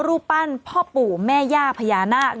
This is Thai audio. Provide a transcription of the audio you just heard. รูปปั้นพ่อปู่แม่ย่าพญานาค